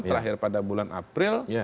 terakhir pada bulan april